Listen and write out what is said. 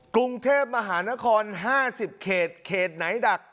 กรุงเทพมหานคร๕๐เขตเขตไหนดัก